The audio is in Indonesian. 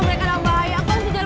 saya sudah di water patrick